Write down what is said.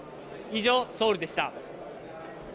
以上、ソウルでした。